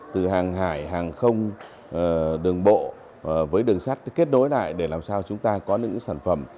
từ hàng hải hàng không đường bộ với đường sắt kết nối lại để làm sao chúng ta có những sản phẩm